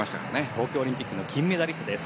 東京オリンピックの金メダリストです。